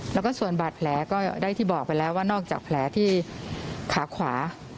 แล้วก็ส่วนบาดแผลก็ได้ที่บอกไปแล้วว่านอกจากแผลที่ขาขวา